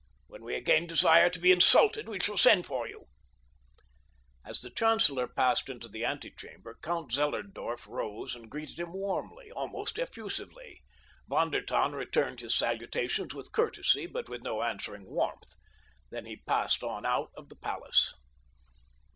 When we again desire to be insulted we shall send for you." As the chancellor passed into the antechamber Count Zellerndorf rose and greeted him warmly, almost effusively. Von der Tann returned his salutations with courtesy but with no answering warmth. Then he passed on out of the palace.